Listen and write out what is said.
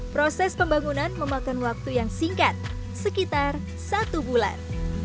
proses pembangunan memakan waktu yang singkat sekitar satu bulan